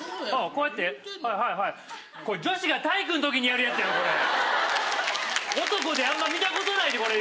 こうやって、はいはい。女子が体育のときにやるやつやで、これ男であんまり見たことないで、これ。